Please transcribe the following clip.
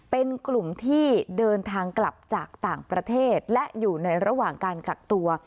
เป็นกลุ่มที่เดินทางกลับจากต่างประเทศและอยู่ในระหว่างการกักตัว